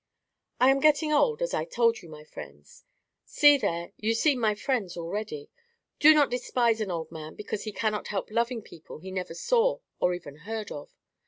I am getting old, as I told you, my friends. (See there, you seem my friends already. Do not despise an old man because he cannot help loving people he never saw or even heard of.)